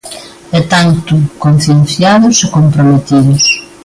E tanto, concienciados e comprometidos.